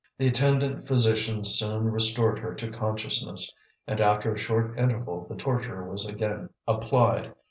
The attendant physicians soon restored her to consciousness, and, after a short interval, the torture was again applied.